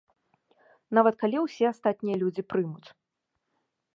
Нават калі ўсе астатнія людзі прымуць.